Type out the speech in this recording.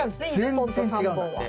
全然違うんだって。